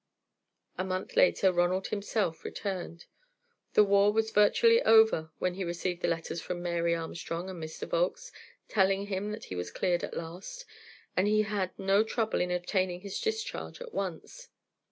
A month later, Ronald himself returned. The war was virtually over when he received the letters from Mary Armstrong and Mr. Volkes, telling him that he was cleared at last, and he had no trouble in obtaining his discharge at once.